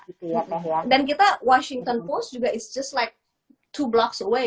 gitu ya dan kita washington post juga is just like two blocks away